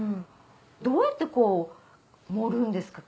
どうやって盛るんですか？